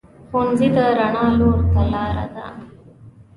ښوونځی د رڼا لور ته لار ده